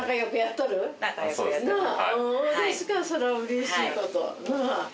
それはうれしいこと。